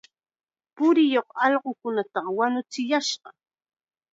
Purikuq allqukunata wañuchiyashqa.